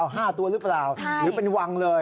ห้าตัวหรือเปล่าหรือเป็นวังเลย